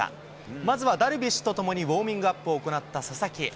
まずはダルビッシュと共にウォーミングアップを行った佐々木。